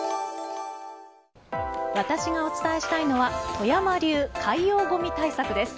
私がお伝えしたいのは富山流、海洋ごみ対策です。